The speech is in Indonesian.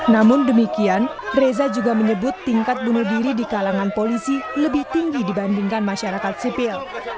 namun demikian reza juga menyebut tingkat bunuh diri di kalangan polisi lebih tinggi dibandingkan masyarakat sipil